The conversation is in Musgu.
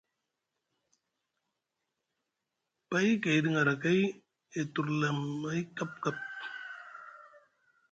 Pay gaydi ŋarakay et turli amay kapkap.